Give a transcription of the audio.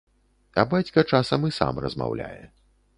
А бацька часам і сам размаўляе.